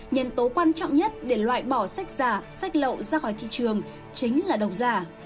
nhân tố quan trọng nhất để loại bỏ sách giả sách lậu ra khỏi thị trường chính là độc giả